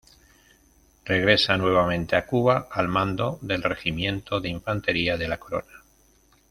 Regresa nuevamente a Cuba al mando del Regimiento de Infantería de la Corona.